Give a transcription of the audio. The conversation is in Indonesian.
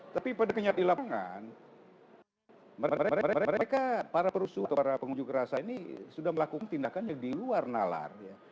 tapi pada kenyataan di lapangan mereka para perusuh atau para pengunjung kerasa ini sudah melakukan tindakan yang diluar nalar